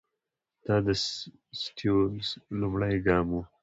دا د سټیونز لومړنی ګام وو.